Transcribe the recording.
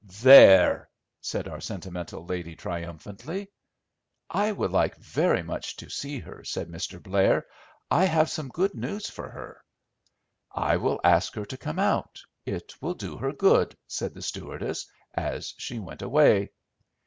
"There!" said our sentimental lady, triumphantly. "I would like very much to see her," said Mr. Blair; "I have some good news for her." "I will ask her to come out. It will do her good," said the stewardess, as she went away.